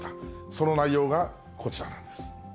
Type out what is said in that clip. その内容がこちらなんです。